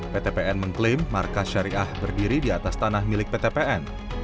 ptpn mengklaim markas syariah berdiri di atas tanah milik ptpn